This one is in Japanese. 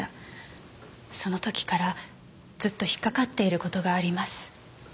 その時からずっと引っかかっている事があります。